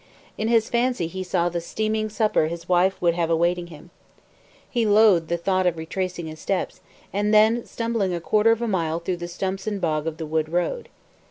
In his fancy he saw the steaming supper his wife would have awaiting him. He loathed the thought of retracing his steps, and then stumbling a quarter of a mile through the stumps and bog of the wood road.